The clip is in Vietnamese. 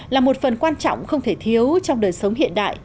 là một phần quan trọng không thể thiếu trong đời sống hiện đại